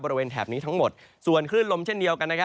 แถบนี้ทั้งหมดส่วนคลื่นลมเช่นเดียวกัน